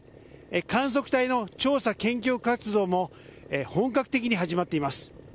観測隊の調査・研究活動も本格的に始まっています。